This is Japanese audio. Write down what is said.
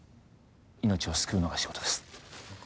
命を救うのが仕事です